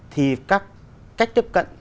thì các cách tiếp cận